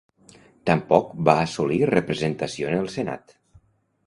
Tampoc va assolir representació en el Senat.